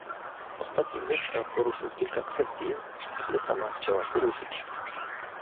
Ostatni mówca poruszył kilka kwestii, które sama chciałam poruszyć